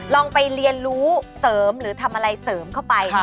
ลองไปเรียนรู้เสริมหรือทำอะไรเสริมเข้าไป